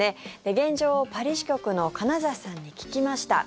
現状をパリ支局の金指さんに聞きました。